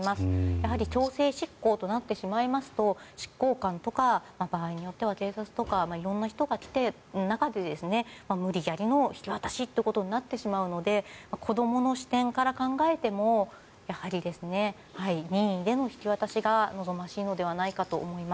やはり強制執行となってしまいますと執行官とか場合によっては警察とか色んな人が来た中で無理やりの引き渡しとなってしまうので子どもの視点から考えても任意での引き渡しが望ましいのではないかと思います。